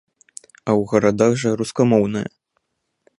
А ў гарадах жа рускамоўныя.